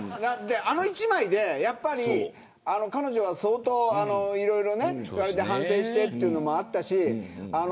あの１枚で彼女は相当反省しているというのがあったし。